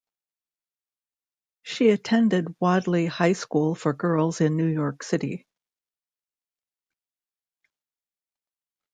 She attended Wadleigh High School for Girls in New York City.